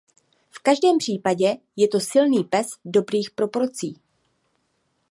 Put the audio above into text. V každém případě je to silný pes dobrých proporcí.